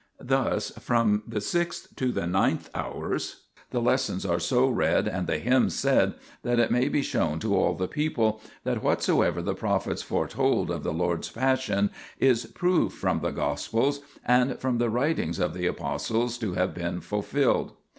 Thus from the sixth to the ninth hours the lessons are so read and the hymns said, that it may be shown to all the people that whatsoever the prophets foretold of the Lord's Passion is proved from the Gospels and from the writings of the Apostles to have been fulfilled.